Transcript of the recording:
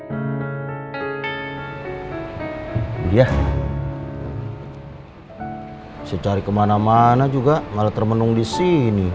budia saya cari kemana mana juga malah termenung di sini